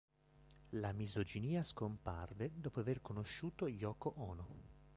La misoginia scomparve dopo aver conosciuto Yōko Ono.